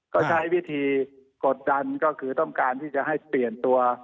ก็ใช้วิธีกดดันก็คือต้องการที่จะให้เปลี่ยนตัว